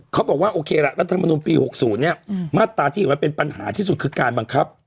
เขาบอกว่าโอเคละรัฐมนุนปี๖๐เนี่ยมาตราที่ไว้เป็นปัญหาที่สุดคือการบังคับ